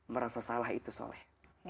merasa salah itu soleh